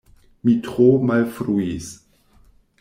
Mi tro malfruis!